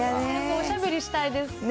おしゃべりしたいです。